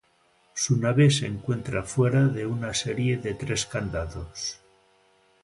Su nave se encuentra fuera de una serie de tres candados.